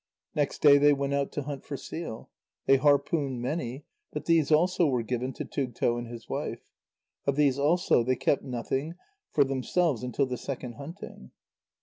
Next day they went out to hunt for seal. They harpooned many, but these also were given to Tugto and his wife. Of these also they kept nothing for themselves until the second hunting.